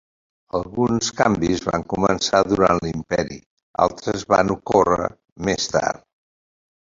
Alguns canvis van començar durant l'imperi, altres van ocórrer més tard.